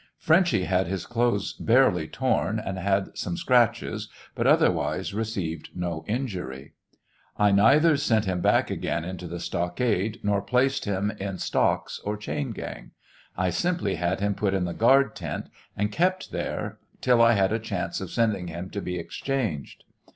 Frenchy had his clothes barly torn, and had some scratches, but otherwise received no injury. I neither sent him back again into the stockade nor placed him in stocks or chain gang; 1 simply had him put in the guard tent and kept there till I had a chance of sending him to be exchanged.